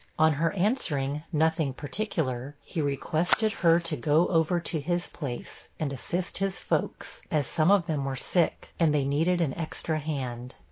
On her answering 'nothing particular,' he requested her to go over to his place, and assist his folks, as some of them were sick, and they needed an extra hand.